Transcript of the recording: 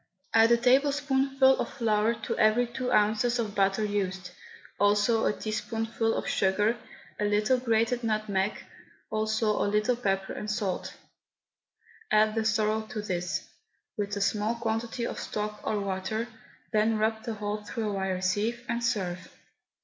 Add a tablespoonful of flour to every two ounces of butter used, also a teaspoonful of sugar, a little grated nutmeg, also a little pepper and salt; add the sorrel to this, with a small quantity of stock or water, then rub the whole through a wire sieve, and serve.